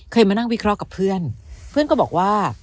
มานั่งวิเคราะห์กับเพื่อนเพื่อนก็บอกว่า